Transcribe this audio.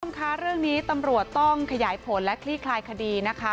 คุณผู้ชมคะเรื่องนี้ตำรวจต้องขยายผลและคลี่คลายคดีนะคะ